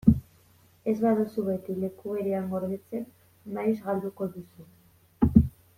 Ez baduzu beti leku berean gordetzen, maiz galduko duzu.